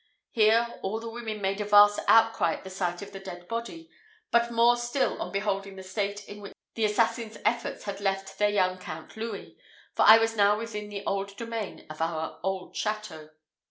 Here all the women made a vast outcry at the sight of the dead body, but more still on beholding the state in which the assassin's efforts had left their young Count Louis, for I was now within the old domain of our own château.